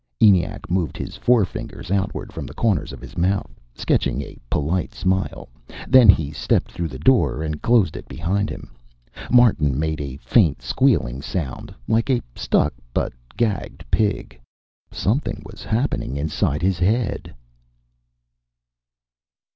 _" ENIAC moved his forefingers outward from the corners of his mouth, sketching a polite smile. Then he stepped through the door and closed it behind him. Martin made a faint squealing sound, like a stuck but gagged pig. _Something was happening inside his head.